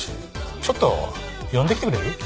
ちょっと呼んできてくれる？